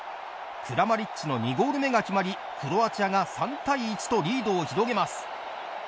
クラマリッチの２ゴール目が決まり、クロアチアが３対１とリードを広げます。